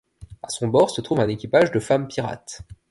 À son bord se trouve un équipage de femmes pirates.